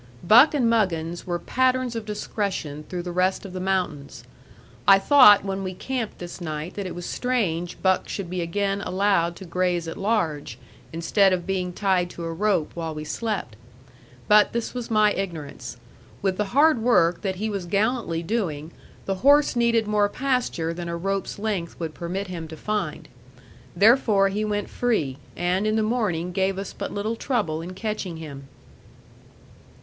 Buck and Muggins were patterns of discretion through the rest of the mountains. I thought when we camped this night that it was strange Buck should be again allowed to graze at large, instead of being tied to a rope while we slept. But this was my ignorance. With the hard work that he was gallantly doing, the horse needed more pasture than a rope's length would permit him to find. Therefore he went free, and in the morning gave us but little trouble in catching him.